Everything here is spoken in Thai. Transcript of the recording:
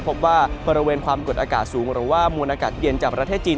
พบว่าบริเวณความกดอากาศสูงหรือว่ามวลอากาศเย็นจากประเทศจีน